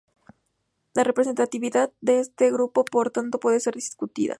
La representatividad de este grupo por tanto puede ser discutida.